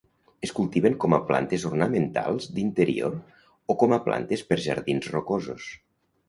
Es cultiven com a plantes ornamentals d'interior o com a plantes per jardins rocosos.